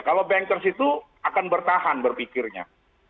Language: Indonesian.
kalau bankers itu akan bertahan berpikirnya